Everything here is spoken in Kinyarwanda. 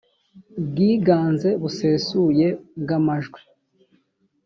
bwiganze busesuye bw amajwi